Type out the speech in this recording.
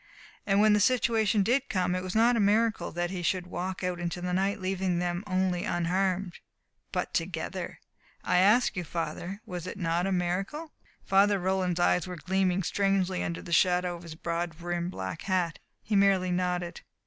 And when the situation did come was it not a miracle that he should walk out into the night leaving them not only unharmed, but together? I ask you, Father was it not a miracle?" Father Roland's eyes were gleaming strangely under the shadow of his broad brimmed black hat. He merely nodded.